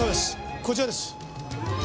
こちらです。